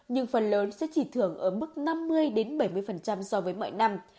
nhưng phần lớn sẽ chỉ thưởng ở mức năm mươi bảy mươi so với mọi năm